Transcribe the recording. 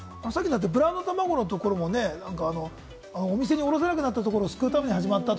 ブランドたまごのところも、お店に卸さなくなったところを救うためにやったと。